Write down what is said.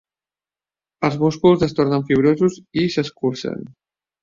Els músculs es tornen fibrosos i s'escurcen.